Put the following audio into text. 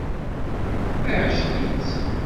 Iεceq-itt.